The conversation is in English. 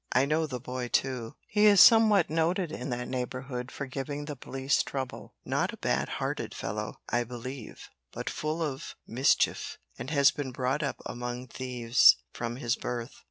I know the boy too. He is somewhat noted in that neighbourhood for giving the police trouble. Not a bad hearted fellow, I believe, but full of mischief, and has been brought up among thieves from his birth.